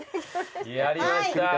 やりました。